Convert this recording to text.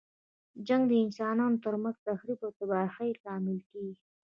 جنګ د انسانانو تر منځ تخریب او تباهۍ لامل کیږي.